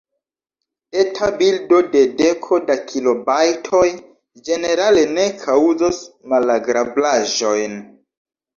Eta bildo de deko da kilobajtoj ĝenerale ne kaŭzos malagrablaĵojn.